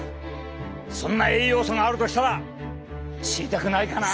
そんな栄養素があるとしたら知りたくないかな？